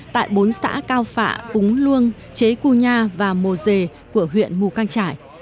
tại bốn xã cao phạ cúng luông chế cù nha và mồ dề của huyện mù căng trải